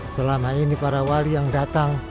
selama ini para wali yang datang